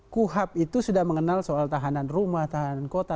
kuhap itu sudah mengenal soal tahanan rumah tahanan kota